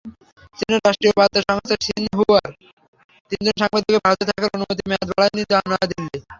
চীনের রাষ্ট্রীয় বার্তা সংস্থা সিনহুয়ার তিনজন সাংবাদিকের ভারতে থাকার অনুমতির মেয়াদ বাড়ায়নি নয়াদিল্লি।